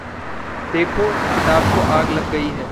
देखो! किताब को आग लग गई है।